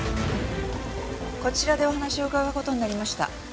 こちらでお話を伺う事になりました。